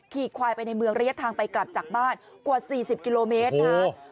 ขี่ควายไปในเมืองระยะทางไปกลับจากบ้านกว่า๔๐กิโลเมตรนะครับ